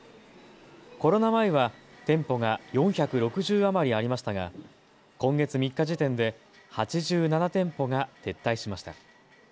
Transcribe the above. コロナ前は店舗が４６０余りありましたが今月３日時点で８７店舗が撤退しました。